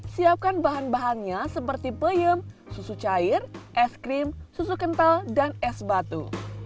siapkan bahan bahannya seperti peyem susu cair es krim susu kental dan es batu